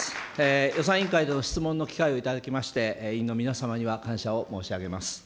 予算委員会での質問の機会をいただきまして、委員の皆様には感謝を申し上げます。